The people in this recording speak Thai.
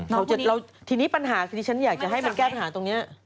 น้องคู่นี้ทวนนี้ปัญหาที่ฉันอยากให้มันแก้ปัญหาตรงนี้